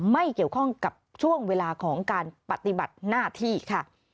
ไม่เกี่ยวข้องกับช่วงเวลาของการปฏิบัติหน้าที่ค่ะ